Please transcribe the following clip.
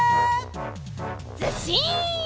ずっしん！